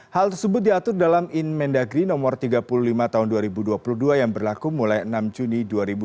hal tersebut diatur dalam inmen dagri no tiga puluh lima tahun dua ribu dua puluh dua yang berlaku mulai enam juni dua ribu dua puluh